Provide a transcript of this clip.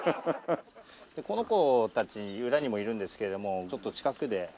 この子たち裏にもいるんですけれどもちょっと近くで。